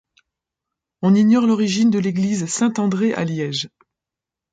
On ignore l'origine de l'église Saint-André à Liège.